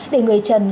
để người trần